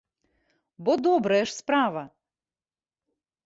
Бо добрая ж справа!